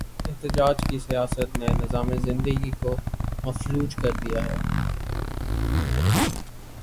احتجاج کی سیاست نے نظام زندگی کو مفلوج کر دیا ہے۔